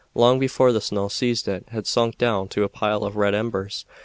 Long before the snow ceased it had sunk down to a pile of red embers.